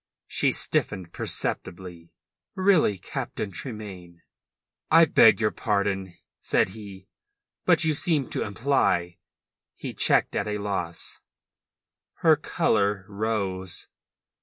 She stiffened perceptibly. "Really, Captain Tremayne!" "I beg your pardon," said he. "But you seemed to imply " He checked, at a loss. Her colour rose.